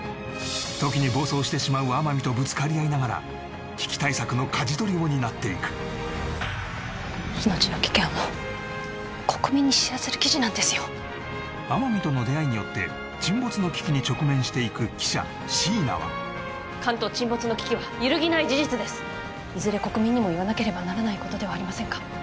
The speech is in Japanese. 時に暴走してしまう天海とぶつかり合いながら危機対策のかじ取りを担っていく命の危険を国民に知らせる記事なんですよ天海との出会いによって沈没の危機に直面していく記者椎名は関東沈没の危機は揺るぎない事実ですいずれ国民にも言わなければならないことではありませんか？